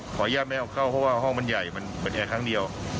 ขออนุญาตไม่เอาเข้าเพราะว่าห้องมันใหญ่มันเปิดแอร์ครั้งเดียว